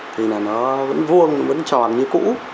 thì là nó vẫn vuông vẫn tròn như cũ